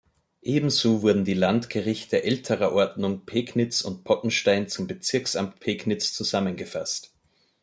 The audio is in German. Ebenso wurden die Landgerichte älterer Ordnung Pegnitz und Pottenstein zum Bezirksamt Pegnitz zusammengefasst.